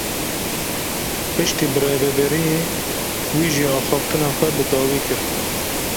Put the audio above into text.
Piştî birêveberiyê wî jî axaftina xwe bi dawî kir.